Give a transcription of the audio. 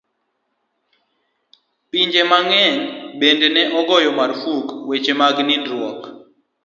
Pinje mang'eny bende ne ogoyo marfuk weche mag nindruok.